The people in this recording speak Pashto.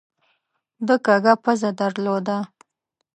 ده کږه پزه درلوده.